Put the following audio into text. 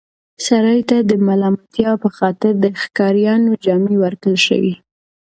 سړي ته د ملامتیا په خاطر د ښکاریانو جامې ورکړل شوې.